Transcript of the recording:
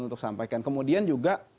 untuk sampaikan kemudian juga